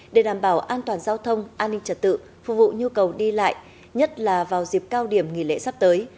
để đảm bảo an toàn giao thông an ninh trật tự phục vụ nhu cầu đi lại nhất là vào dịp cao điểm nghỉ lễ sắp tới